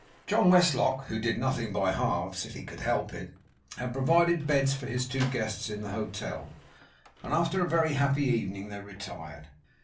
John Westlock, who did nothing by halves, if he could help it, had provided beds for his two guests in the hotel; and after a very happy evening, they retired.